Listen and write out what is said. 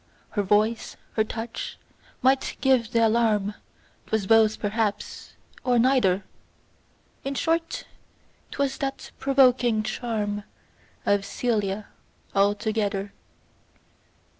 Her voice, her touch, might give th' alarm 'Twas both perhaps, or neither; In short, 'twas that provoking charm Of Cælia altogether.